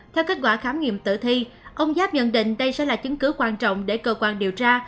theo kết quả khám nghiệm tử thi ông giáp nhận định đây sẽ là chứng cứ quan trọng để cơ quan điều tra